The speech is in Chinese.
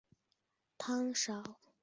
汤勺因用途不同而大小不一。